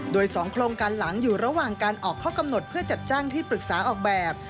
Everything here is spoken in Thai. โดย๒โครงการหลังอยู่ระหว่างการออกข้อกำหนดเพื่อจัดจ้างที่ปรึกษาออกแบบ